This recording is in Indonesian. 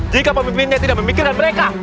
jika pemimpinnya tidak memikirkan mereka